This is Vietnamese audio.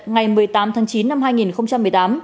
ngày một mươi tám tháng chín năm hai nghìn một mươi tám